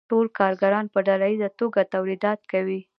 ټول کارګران په ډله ییزه توګه تولیدات کوي